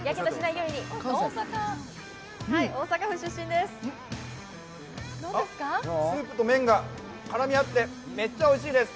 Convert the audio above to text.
大阪府出身です。